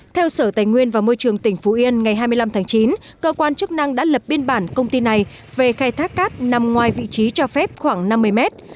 theo sở tài nguyên và môi trường tỉnh phú yên ngày hai mươi năm tháng chín cơ quan chức năng đã lập biên bản công ty này về khai thác cát nằm ngoài vị trí cho phép khoảng năm mươi mét